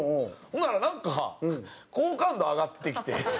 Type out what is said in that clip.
ほんならなんか好感度上がってきて。